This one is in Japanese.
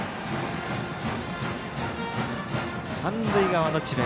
三塁側の智弁